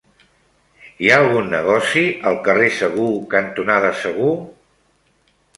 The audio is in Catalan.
Hi ha algun negoci al carrer Segur cantonada Segur?